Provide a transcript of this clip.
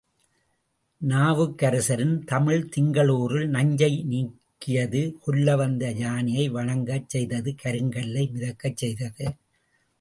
நாவுக்கரசரின் தமிழ் திங்களூரில் நஞ்சை நீக்கியது கொல்ல வந்த யானையை வணங்கச் செய்தது கருங் கல்லை மிதிக்கச் செய்தது.